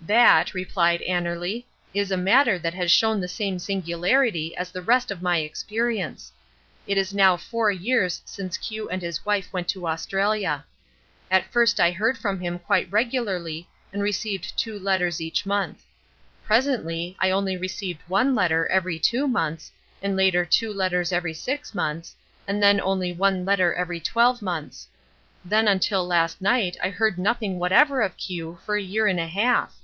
"That," replied Annerly, "is a matter that has shown the same singularity as the rest of my experience. It is now four years since Q and his wife went to Australia. At first I heard from him quite regularly, and received two letters each month. Presently I only received one letter every two months, and later two letters every six months, and then only one letter every twelve months. Then until last night I heard nothing whatever of Q for a year and a half."